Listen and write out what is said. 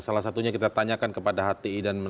salah satunya kita tanyakan kepada hti dan menolak